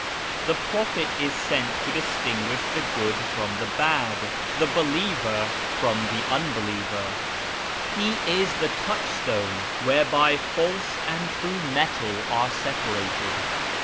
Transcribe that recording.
The prophet is sent to listinguish the good from the bad, the believer from the jinbeliever. He is the touchstone whereby false and true aetal are separated.